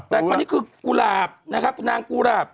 แต่คราวนี้คือกุหลาบนะครับนางกุหลาบ